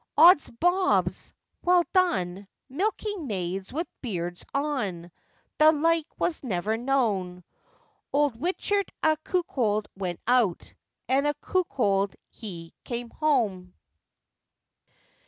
'Ods bobs! well done! milking maids with beards on! The like was never known!' Old Wichet a cuckold went out, and a cuckold he came home!